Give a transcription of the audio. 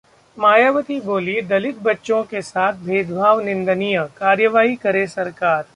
मायावती बोलीं- दलित बच्चों के साथ भेदभाव निंदनीय, कार्रवाई करे सरकार